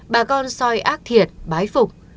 bà con soi ác thiệt bái phục